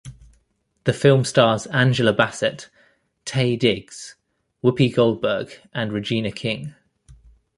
The film stars Angela Bassett, Taye Diggs, Whoopi Goldberg, and Regina King.